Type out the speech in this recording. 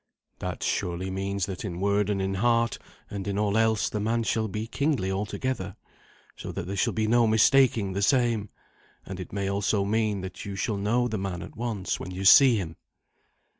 "That surely means that in word and in heart and in all else the man shall be kingly altogether, so that there shall be no mistaking the same; and it may also mean that you shall know the man at once when you see him."